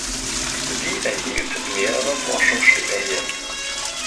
Sie erhielt mehrere Forschungsstipendien.